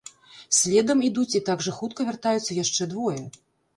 Следам ідуць і так жа хутка вяртаюцца яшчэ двое.